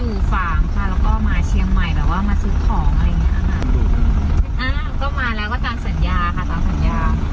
คือความสุขให้เอฟซีใช่ป่าว